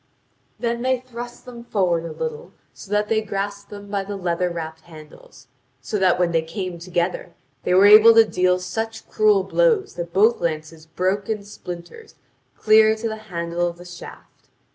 Then they thrust them forward a little, so that they grasped them by the leather wrapped handles, and so that when they came together they were able to deal such cruel blows that both lances broke in splinters clear to the handle of the shaft.